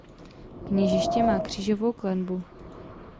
Kněžiště má křížovou klenbu.